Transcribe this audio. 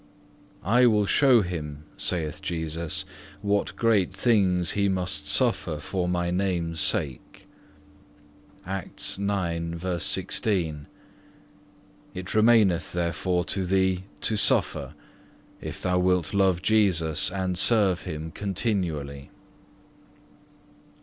I will show him, saith Jesus, what great things he must suffer for My Name's sake.(6) It remaineth, therefore, to thee to suffer, if thou wilt love Jesus and serve Him continually.